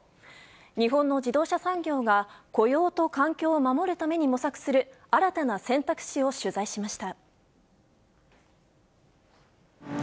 日本の自動車産業が雇用と環境を守るために模索する新たな選択肢を取材しました。